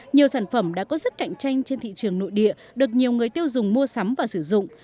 nhiều sản phẩm đã có sức cạnh tranh trên thị trường nội địa được nhiều người tiêu dùng mua sắm và sử dụng